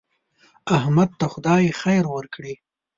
احمد ته خدای خیر ورکړي.